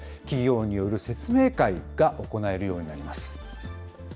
企業による説明会が行えるようになります。